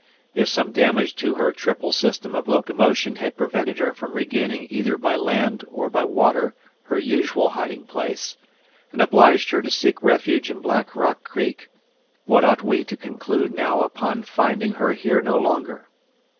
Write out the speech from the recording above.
If some damage to her triple system of locomotion had prevented her from regaining either by land or by water her usual hiding place, and obliged her to seek refuge in Black Rock Creek, what ought we to conclude now upon finding her here no longer?